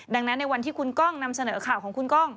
ดังนั้นในวันที่คุณกล้องนำเสนอข่าวของคุณกล้อง